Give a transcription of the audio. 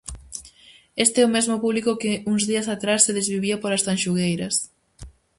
Este é o mesmo público que uns días atrás se desvivía polas Tanxugueiras.